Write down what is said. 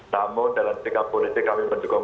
namun dalam etika politik kami mendukung satu